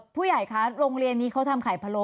ผู้ใหญ่ลงเรียนนี้เขาทำข่าวปล่อยไหมคะ